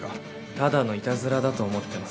ただのイタズラだと思ってます